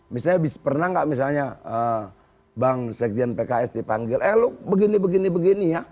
misalnya pernah enggak misalnya bank sekjen pks dipanggil eh lu begini begini begini ya